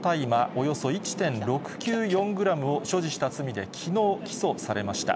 およそ１．６９４グラムを所持した罪できのう起訴されました。